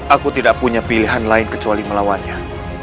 aku tidak punya pilihan lain kecuali melawannya